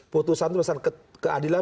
putusan itu berdasarkan keadilan